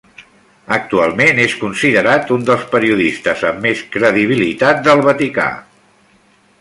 Actualment és considerat un dels periodistes amb més credibilitat del Vaticà.